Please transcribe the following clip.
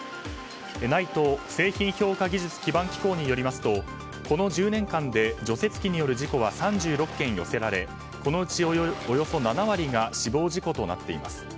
ＮＩＴＥ・製品評価技術基盤機構によりますとこの１０年間で除雪機による事故は３６件寄せられこのうち、およそ７割が死亡事故となっています。